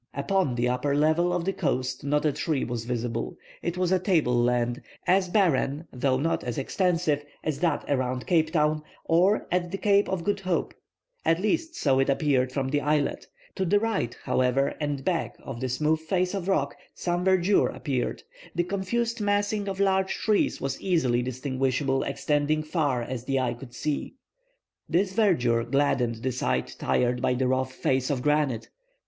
Upon the upper level of the coast not a tree was visible. It was a table land, as barren though not as extensive as that around Cape Town, or at the Cape of Good Hope. At least so it appeared from the islet. To the right, however, and back of the smooth face of rock, some verdure appeared. The confused massing of large trees was easily distinguishable extending far as the eye could reach. This verdure gladdened the sight tired by the rough face of granite.